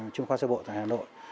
chứng kho sơ bộ tại hà nội